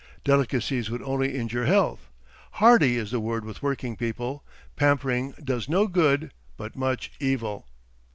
Delicacies would only injure health. Hardy is the word with working people. Pampering does no good, but much evil."